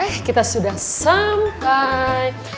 eh kita sudah sampai